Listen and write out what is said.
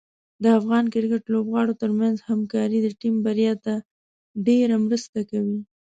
د افغان کرکټ لوبغاړو ترمنځ همکاري د ټیم بریا ته ډېره مرسته کوي.